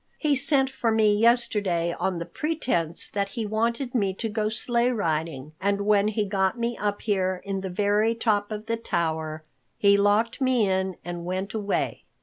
He sent for me yesterday on the pretense that he wanted me to go sleigh riding, and when he got me up here in the very top of the tower, he locked me in and went away.